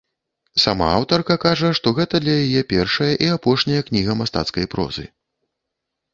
Сама аўтарка кажа, што гэта для яе першая і апошняя кніга мастацкай прозы.